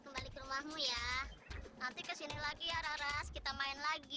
baiklah terima kasih